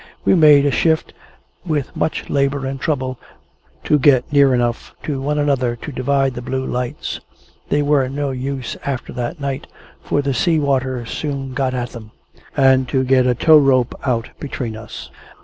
We made a shift, with much labour and trouble, to get near enough to one another to divide the blue lights (they were no use after that night, for the sea water soon got at them), and to get a tow rope out between us.